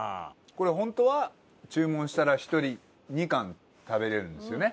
これホントは注文したら１人２貫食べれるんですよね？